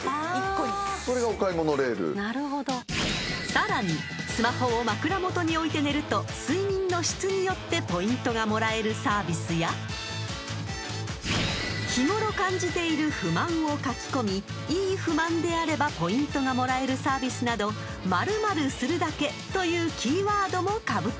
［さらにスマホを枕元に置いて寝ると睡眠の質によってポイントがもらえるサービスや日頃感じている不満を書き込みいい不満であればポイントがもらえるサービスなど「○○するだけ」というキーワードもかぶっていた］